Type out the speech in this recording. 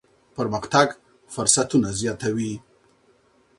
پرمختګ فرصتونه زیاتوي.